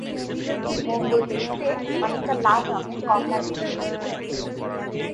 মঙ্গল দেখতে অনেকটা লাল রঙের কমলার মতো।